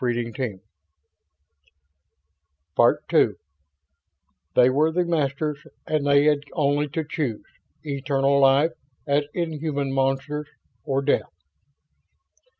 END OF PART ONE PART TWO They were the Masters, and they had only to choose: eternal life, as inhuman monsters or death!